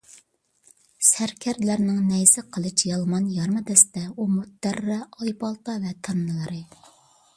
سەركەردىلەرنىڭ نەيزە، قىلىچ، يالمان، يارما دەستە، ئۇمۇت، دەررە، ئايپالتا ۋە تىرنىلىرى